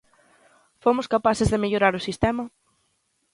¿Fomos capaces de mellorar o sistema?